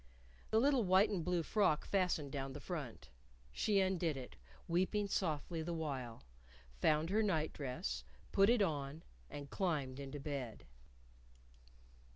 The little white and blue frock fastened down the front. She undid it, weeping softly the while, found her night dress, put it on and climbed into bed.